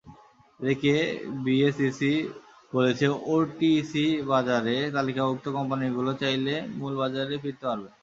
এদিকে বিএসইসি বলেছে, ওটিসি বাজারে তালিকাভুক্ত কোম্পানিগুলো চাইলে মূল বাজারে ফিরতে পারবে।